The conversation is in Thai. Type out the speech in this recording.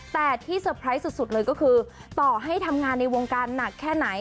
แต่ที่สุดเลยก็คือต่อให้ทำงานในวงการหนักแค่ไหน